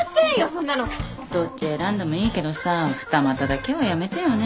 そんなの！どっち選んでもいいけどさ二股だけはやめてよね。